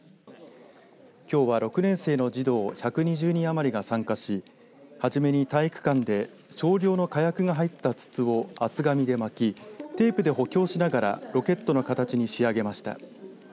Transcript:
きょうは６年生の児童１２０人余りが参加しはじめに体育館で少量の火薬が入った筒を厚紙で巻きテープで補強しながらロケットの形に仕上げました。